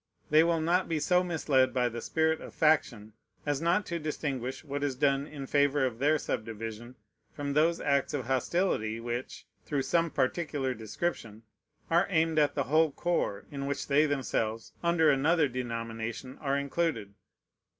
They will not be so misled by the spirit of faction as not to distinguish what is done in favor of their subdivision from those acts of hostility which, through some particular description, are aimed at the whole corps in which they themselves, under another denomination, are included.